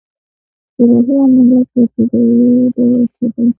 جراحي عملیات په ابتدایی ډول کیدل